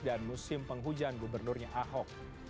dan musim penghujan gubernurnya ahok